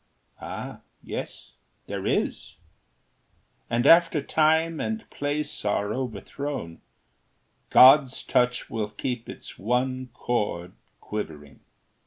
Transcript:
Ah, yes, there is! And after time and place are overthrown, God's touch will keep its one chord quivering.